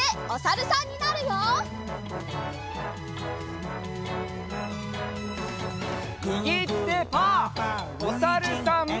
おさるさん。